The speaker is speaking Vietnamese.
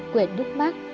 quệt nút mắt